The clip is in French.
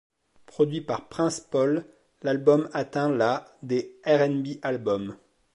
Produit par Prince Paul, l'album atteint la des R&B Albums.